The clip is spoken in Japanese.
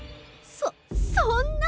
そそんな！